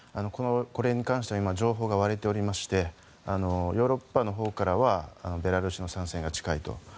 これに関しては今、情報が割れていましてヨーロッパのほうからはベラルーシの参戦が近いと。